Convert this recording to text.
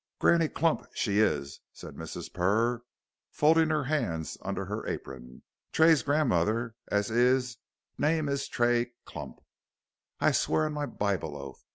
"Granny Clump, she is," said Mrs. Purr, folding her hands under her apron. "Tray's gran'mother, as 'is name is Tray Clump, I swear on my Bible oath.